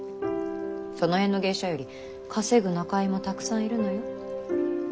その辺の芸者より稼ぐ仲居もたくさんいるのよ。